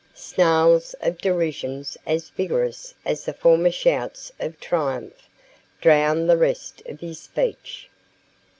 Snarls of derision as vigorous as the former shouts of triumph drowned the rest of his speech.